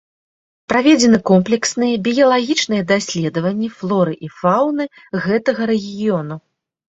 Праведзены комплексныя біялагічныя даследаванні флоры і фауны гэтага рэгіёну.